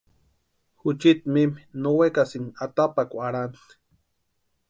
Juchiti mimi no wekasïnti atapakwa arhani.